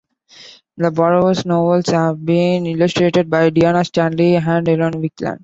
The "Borrowers" novels have been illustrated by Diana Stanley and Ilon Wikland.